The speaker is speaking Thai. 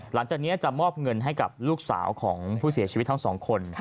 หลังจากนี้จะมอบเงินให้กับลูกสาวของผู้เสียชีวิตทั้งสองคน